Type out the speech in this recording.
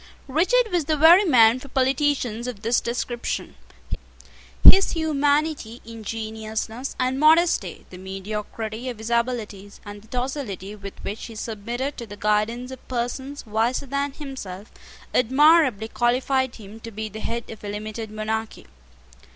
Richard was the very man for politicians of this description. His humanity, ingenuousness, and modesty, the mediocrity of his abilities, and the docility with which he submitted to the guidance of persons wiser than himself, admirably qualified him to be the head of a limited monarchy.